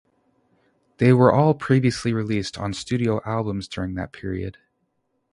They were all previously released on studio albums during that period.